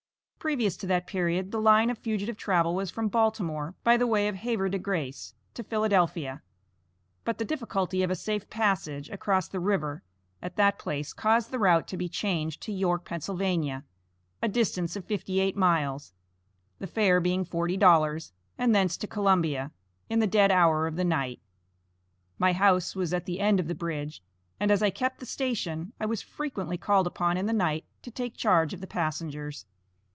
Previous to that period, the line of fugitive travel was from Baltimore, by the way of Havre de Grace to Philadelphia; but the difficulty of a safe passage across the river, at that place caused the route to be changed to York, Pa., a distance of fifty eight miles, the fare being forty dollars, and thence to Columbia, in the dead hour of the night. My house was at the end of the bridge, and as I kept the station, I was frequently called up in the night to take charge of the passengers.